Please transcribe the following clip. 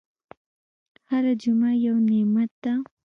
هره جمعه یو نعمت ده.